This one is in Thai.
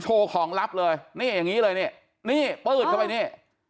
โชว์ของลับเลยนี่อย่างนี้เลยนี่นี่ปืดเข้าไปนี่